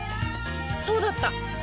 そうだった！